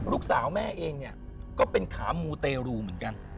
ลูกสาวแม่เองเนี่ยก็เป็นขามูเตรูเหมือนกัน